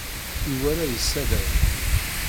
Iwala isalan.